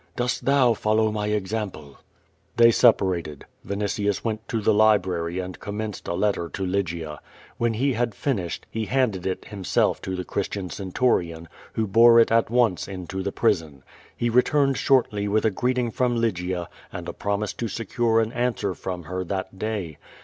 Dost thou follow my example." They separated. Vinitius went to the library and com menced a letter to Lygia. When he had finished, he handed it himself to the Christian centurion, who bore it at once into the prison. He returned shortly with a greeting from Lygia and a i)romise to secure an answer from her that day.